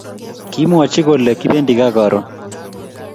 kimwachi kole kipendi kaa karun